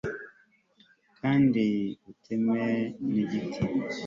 kandi uteme n'igiti